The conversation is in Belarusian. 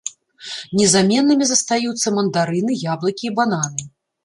Незаменнымі застаюцца мандарыны, яблыкі і бананы.